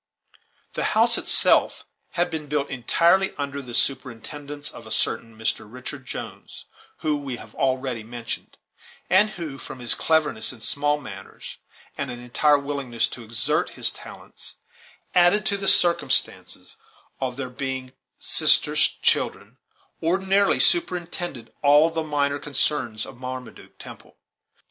The house itself had been built entirely under the superintendence of a certain Mr. Richard Jones, whom we have already mentioned, and who, from his cleverness in small matters, and an entire willingness to exert his talents, added to the circumstance of their being sisters' children, ordinarily superintended all the minor concerns of Marmaduke Temple.